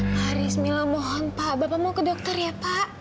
pak rismillah mohon pak bapak mau ke dokter ya pak